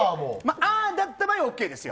ああーだった場合、ＯＫですよ。